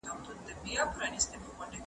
ایا کښېناستل به زموږ ستونزې حل کړي؟